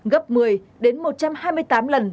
gấp một mươi đến một trăm hai mươi tám lần